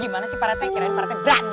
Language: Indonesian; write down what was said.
gimana sih pak rete kirain pak rete berani